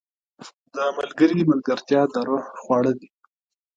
• د ملګري ملګرتیا د روح خواړه دي.